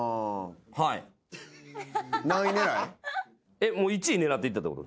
えっもう１位狙っていったってこと？